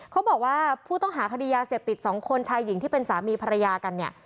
ผู้ต้องหาคดียาเสพติด๒คนชายหญิงที่เป็นสามีภรรยากันเนี่ย